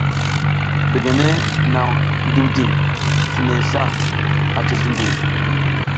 Begene nang ndiwding fine sla ati zungu.